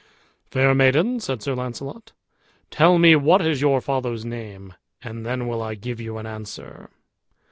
"Fair maiden," said Sir Launcelot, "tell me what is your father's name, and then will I give you an answer."